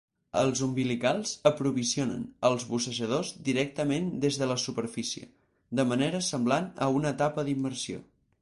Els umbilicals aprovisionen als bussejadors directament des de la superfície, de manera semblant a una etapa d'immersió.